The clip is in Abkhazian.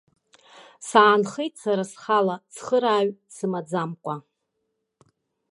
Саанхеит сара схала, цхырааҩ дсымаӡамкәа.